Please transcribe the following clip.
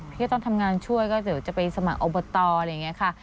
พี่ก็ต้องทำงานช่วยก็เดี๋ยวจะไปสมัครอบตอะไรอย่างนี้ค่ะ